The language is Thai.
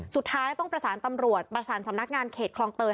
สุดท้ายต้องประสานตำรวจประสานสำนักงานเขตคลองเตย